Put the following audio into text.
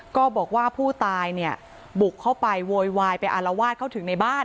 ก็บอกว่าผู้ตายเนี่ยบุกเข้าไปโวยวายไปอารวาสเข้าถึงในบ้าน